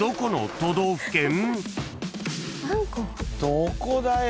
どこだよ。